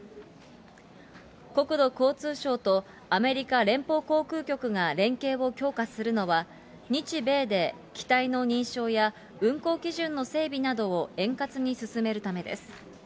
国土交通省とアメリカ連邦航空局が連携を強化するのは、日米で機体の認証や運航基準の整備などを円滑に進めるためです。